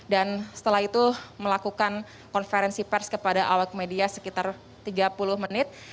dan setelah itu melakukan konferensi pers kepada awak media sekitar tiga puluh menit